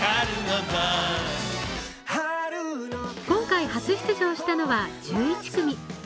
今回初出場したのは１１組。